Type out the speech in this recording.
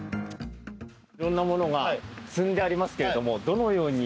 いろんなものが積んでありますけれどもどのように？